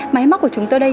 máy móc của chúng tôi đây